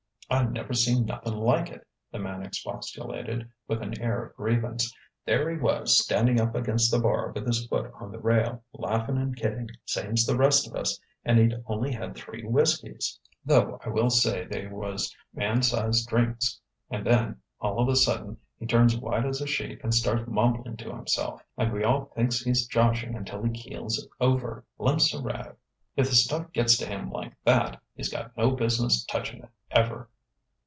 "I never seen nothin' like it!" the man expostulated, with an air of grievance. "There he was, standin' up against the bar, with his foot on the rail, laughin' and kiddin', same's the rest of us; and he'd only had three whiskeys though I will say they was man size drinks; and then, all of a sudden, he turns white as a sheet and starts mumblin' to himself, and we all thinks he's joshin' until he keels over, limp's a rag. If the stuff gets to him like that, he's got no business touchin' it, ever!"